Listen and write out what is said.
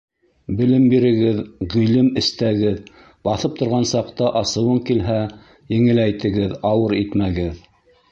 Белем бирегеҙ, ғилем эстәгеҙ, Баҫып торған саҡта асыуың килһә, Еңеләйтегеҙ, ауыр итмәгеҙ.